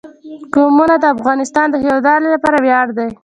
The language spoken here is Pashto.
قومونه د افغانستان د هیوادوالو لپاره ویاړ دی.